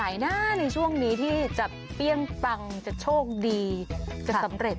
ไหนนะในช่วงนี้ที่จะเปรี้ยงปังจะโชคดีจะสำเร็จ